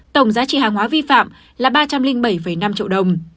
tổng giá trị hàng hóa vi phạm là ba trăm linh bảy năm triệu đồng